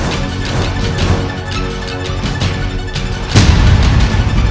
kamu gak akan nyelamatin aku